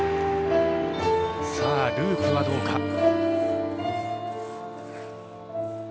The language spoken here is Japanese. ループはどうか。